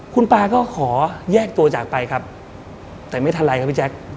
คุณตาก็ขอแยกตัวจากไปครับแต่ไม่ทันไรครับพี่แจ๊ค